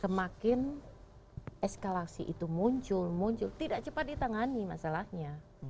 semakin eskalasi itu muncul muncul tidak cepat ditangani masalahnya